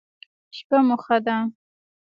شپه مو ښه ده